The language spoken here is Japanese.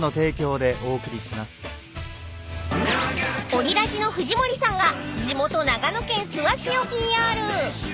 ［オリラジの藤森さんが地元長野県諏訪市をＰＲ］